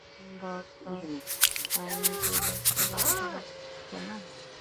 Bob, লস অ্যাঞ্জেলসের রাস্তাঘাট চেনো?